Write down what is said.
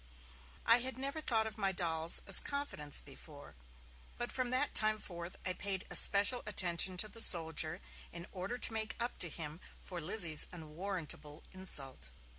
I had never thought of my dolls as confidants before, but from that time forth I paid a special attention to the soldier, in order to make up to him for Lizzie's unwarrantable insult.